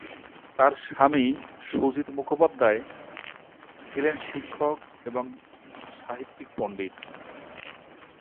তার স্বামী সুজিত মুখোপাধ্যায় ছিলেন শিক্ষক এবং সাহিত্যিক পণ্ডিত।